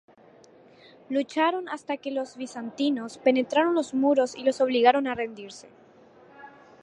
Lucharon hasta que los bizantinos penetraron los muros y los obligaron a rendirse.